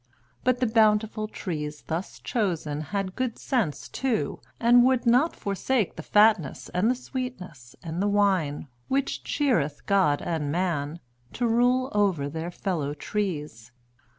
But the bountiful trees thus chosen had good sense too, and would not forsake the fatness and the sweetness and the wine which cheereth God and man, to rule over their fellow trees.